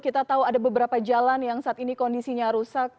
kita tahu ada beberapa jalan yang saat ini kondisinya rusak